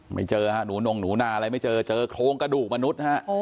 ไม่เจอฮะหนูนงหนูนาอะไรไม่เจอเจอโครงกระดูกมนุษย์ฮะ